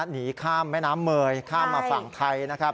หนีข้ามแม่น้ำเมยข้ามมาฝั่งไทยนะครับ